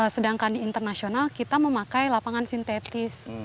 sedangkan di internasional kita memakai lapangan sintetis